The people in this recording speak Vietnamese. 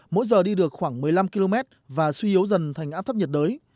mỗi giờ đi được khoảng một mươi năm km và suy yếu dần thành áp thấp nhiệt đới